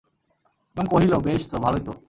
এবং কহিল, বেশ তো, ভালোই তো।